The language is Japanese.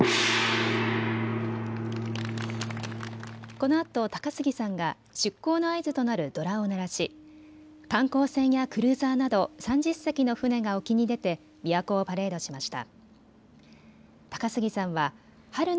このあと高杉さんが出航の合図となるドラを鳴らし観光船やクルーザーなど３０隻の船が沖に出てびわ湖をパレードしました。